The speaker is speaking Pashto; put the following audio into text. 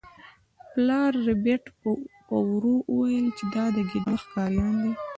پلار ربیټ په ورو وویل چې دا د ګیدړ ښکاریان دي